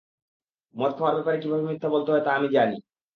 মদ খাওয়ার ব্যাপারে কীভাবে মিথ্যা বলতে হয় তা আমি জানি।